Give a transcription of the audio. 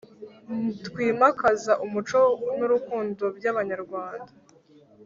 twimakaza umuco n’urukundo. byabanyarwanda’’